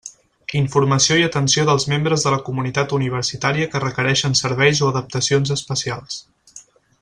Informació i atenció dels membres de la comunitat universitària que requereixen serveis o adaptacions especials.